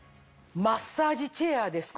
マッサージチェアです